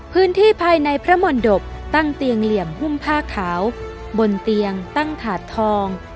พื้นที่ภายในพระมนตบตั้งเตียงเหลี่ยมหุ้มผ้าขาวบนเตียงตั้งถาดทอง